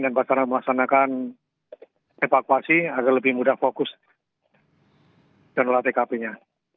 dan pak saras melaksanakan evakuasi agar lebih mudah fokus dan melatih kapinya